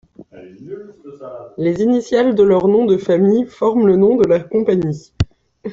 Les initiales de leurs noms de famille forment le nom de la compagnie.